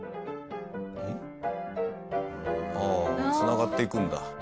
ああ繋がっていくんだ。